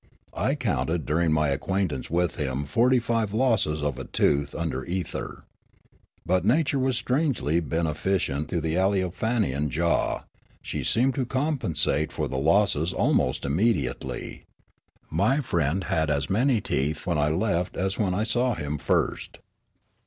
I counted during my acquaintance with him fortj^ five losses of a tooth under ether. But nature was strangely beneficent to the Aleofanian jaw ; she seemed to compensate for the losses almost immediately : my friend had as many teeth when I left as when I saw him first.